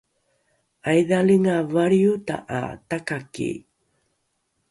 ’aidhalinga valriota ’a takaki